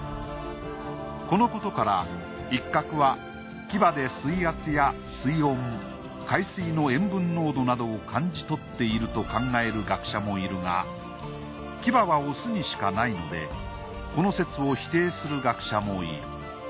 このことからイッカクは牙で水圧や水温海水の塩分濃度などを感じ取っていると考える学者もいるが牙はオスにしかないのでこの説を否定する学者もいる。